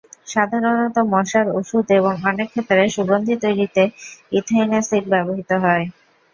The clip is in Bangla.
সাধারণত মশার ওষুধ এবং অনেক ক্ষেত্রে সুগন্ধি তৈরিতে ইথাইন অ্যাসিড ব্যবহৃত হয়।